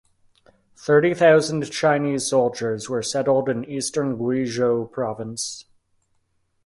Thirty thousand Chinese soldiers were settled in eastern Guizhou Province.